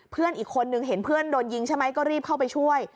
เพื่อนอีกคนนึงเห็นเพื่อนโดนยิงใช่ไหมก็รีบเข้าไปช่วย